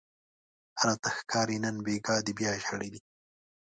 راته ښکاري نن بیګاه دې بیا ژړلي